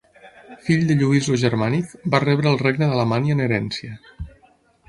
Fill de Lluís el Germànic, va rebre el regne d'Alamània en herència.